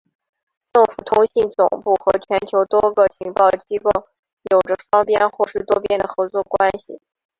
政府通信总部和全球多个情报机构有着双边或是多边的合作关系。